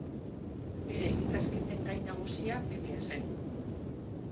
Bere ikasketen gai nagusia Biblia zen.